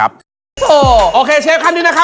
อะไรอ่ะ